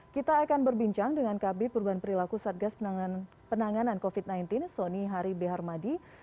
kita akan berbincang dengan kb perubahan perilaku satgas penanganan covid sembilan belas soni hari beharmadi